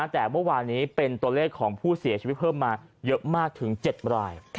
แต่เมื่อวานนี้เป็นตัวเลขของผู้เสียชีวิตเพิ่มมาเยอะมากถึง๗ราย